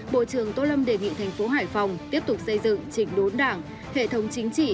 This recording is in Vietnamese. bộ trưởng tô lâm đề nghị thành phố hải phòng tiếp tục xây dựng chỉnh đốn đảng hệ thống chính trị